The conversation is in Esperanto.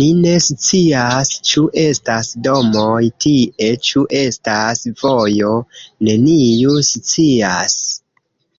Ni ne scias, ĉu estas domoj tie, ĉu estas vojo. Neniu scias.